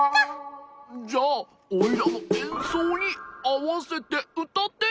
じゃオイラのえんそうにあわせてうたって！